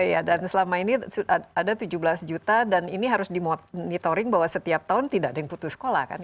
iya dan selama ini ada tujuh belas juta dan ini harus dimonitoring bahwa setiap tahun tidak ada yang putus sekolah kan